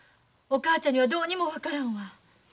お母ちゃんにはどうにも分からんわ。